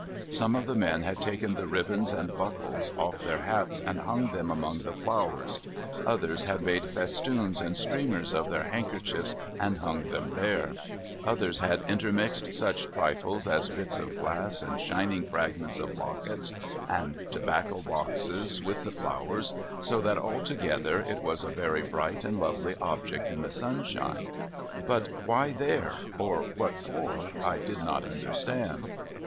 Some of the men had taken the ribbons and buckles off their hats, and hung them among the flowers ; others had made festoons and streamers of their handkerchiefs, and hung them there ; others had intermixed such trifles as bits of glass and shining fragments of lockets and tobacco boxes with the flowers ; so that altogether it was a very bright and lively object in the sunshine. But why there, or what for, I did not understand.